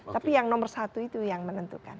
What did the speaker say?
tapi yang nomor satu itu yang menentukan